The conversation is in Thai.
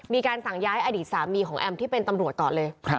มีการสั่งย้ายอดีตสามีของแอมที่เป็นตำรวจก่อนเลย